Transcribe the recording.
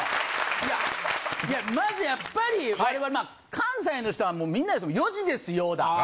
いやまずやっぱり我々まあ関西の人はもうみんなですよ。